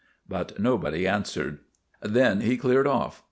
But nobody answered. Then he cleared off.